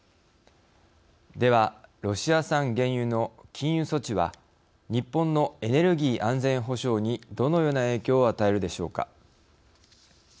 では、ロシア産原油の禁輸措置は日本のエネルギー安全保障にどのような影響を与えるでしょうか。